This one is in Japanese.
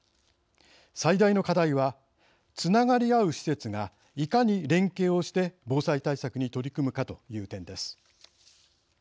最大の課題はつながりあう施設がいかに連携をして防災対策に取り組むかという点です。